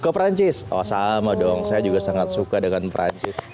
ke perancis oh sama dong saya juga sangat suka dengan perancis